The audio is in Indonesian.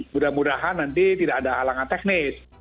mudah mudahan nanti tidak ada halangan teknis